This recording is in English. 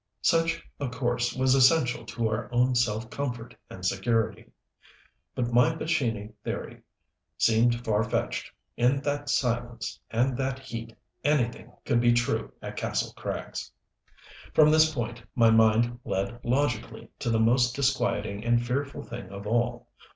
Such a course was essential to our own self comfort and security. But my Pescini theory seemed far fetched. In that silence and that heat, anything could be true at Kastle Krags! From this point my mind led logically to the most disquieting and fearful thing of all.